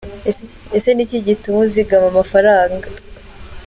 Ese ni iki gituma uzigama amafaranga?.